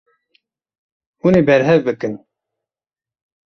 Hûn ê berhev bikin.